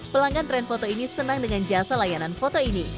pelanggan tren foto ini senang dengan jasa layanan foto ini